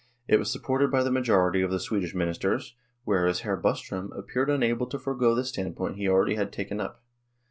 It was supported by the majority of the Swedish ministers, whereas Hr. Bostrom appeared unable to forego the standpoint he already had taken up.